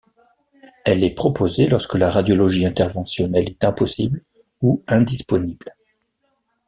Elle est proposée lorsque la radiologie interventionnelle est impossible ou indisponible.